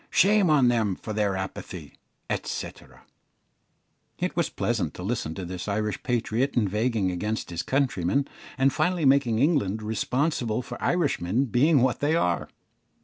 Shame on them for their apathy," &c. It was pleasant to listen to this Irish patriot inveighing against his countrymen, and finally making England responsible for Irishmen being what they are.